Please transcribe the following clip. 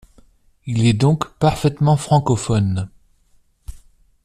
Il est donc parfaitement francophone.